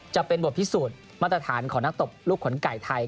จะเป็นบทพิสูจน์มาตรฐานของนักตบลูกขนไก่ไทย